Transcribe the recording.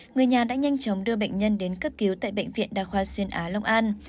người nhà đã nhanh chóng đưa bệnh nhân đến cấp cứu tại bệnh viện đa khoa xuyên á long an